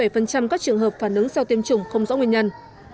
và một mươi bảy các trường hợp phản ứng sau tiêm chủng không rõ nguyên nhân